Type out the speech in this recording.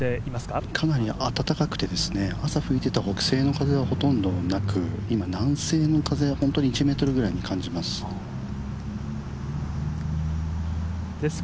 かなり温かくて、朝吹いていた北西の風はほとんどなく、今、南西の風本当に１メートルぐらいに感じます